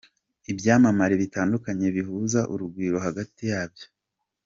Ibyamamare bitandukanye bihuza urugwiro hagati yabyo.